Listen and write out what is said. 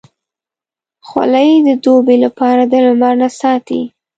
خولۍ د دوبې لپاره د لمر نه ساتي.